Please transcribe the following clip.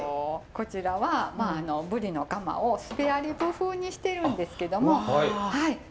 こちらはまああのブリのカマをスペアリブ風にしてるんですけどもはい。